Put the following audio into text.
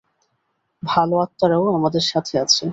ভাল আত্মারাও আমাদের সাথে আছে।